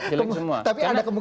tapi ada kemungkinan broken heart